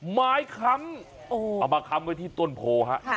หมายคำเอาเอามาคำไว้ที่ข้อมูลโปรฮะ